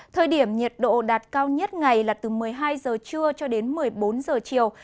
thời điểm nhiệt độ đạt cao nhất ngày là từ một mươi hai giờ trưa cho đến một mươi bốn giờ chiều